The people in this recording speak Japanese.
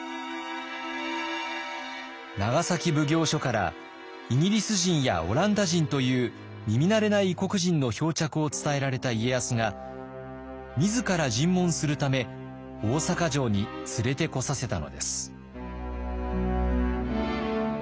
長崎奉行所からイギリス人やオランダ人という耳慣れない異国人の漂着を伝えられた家康が自ら尋問するため大坂城に連れてこさせたのです。